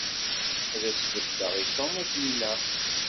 Ad s-beddeɣ i Tom akken ilaq.